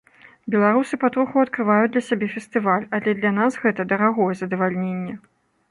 Беларусы патроху адкрываюць для сябе фестываль, але для нас гэта дарагое задавальненне.